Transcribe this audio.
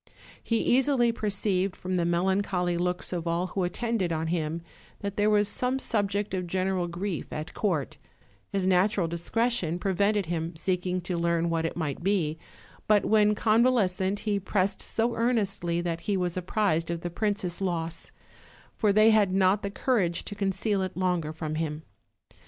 He easily perceived, from the melancholy looks of all who attended on him, that there was some subject of general grief at court; his natural discretion prevented his seeking to learn what it might be, but when convalescent he pressed so ear nestly that he was apprised of the princess' loss, for they had not the courage to conceal it longer from him.